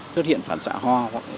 thứt hiện phản xạ ho